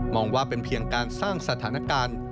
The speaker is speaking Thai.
องว่าเป็นเพียงการสร้างสถานการณ์